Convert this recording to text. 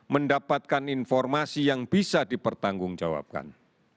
mendapatkan informasi yang bisa dipertanggungjawabkan